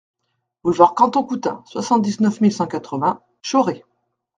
Boulevard Canton Coutain, soixante-dix-neuf mille cent quatre-vingts Chauray